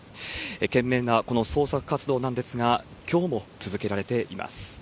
懸命なこの捜索活動なんですが、きょうも続けられています。